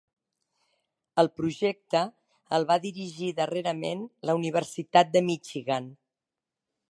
El projecte el va dirigir darrerament la Universitat de Michigan.